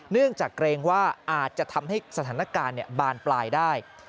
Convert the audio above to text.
เนื่องจากเกรงว่าอาจจะทำให้สถานการณ์บานปลายได้